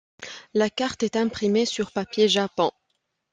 La carte est imprimée sur papier japon.